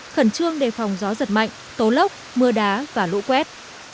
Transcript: khẩn trương đề phòng gió giật mạnh tố lốc mưa đá và lũ quét